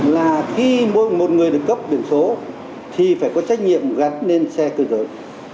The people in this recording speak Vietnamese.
là khi mỗi một người được cấp biển số thì phải có trách nhiệm gắn lên xe cơ giới